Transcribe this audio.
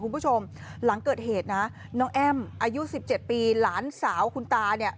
คุณผู้ชมหลังเกิดเหตุนะน้องแอ้มอายุ๑๗ปีหลานสาวคุณตาเนี่ย